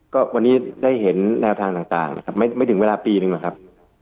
ก็วันนี้ได้เห็นแนวทางต่างไม่ถึงเวลาปีนึงนะครับ